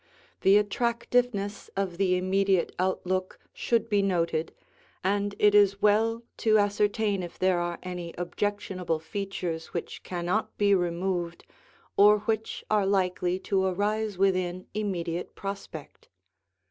The attractiveness of the immediate outlook should be noted, and it is well to ascertain if there are any objectionable features which cannot be removed or which are likely to arise within immediate prospect.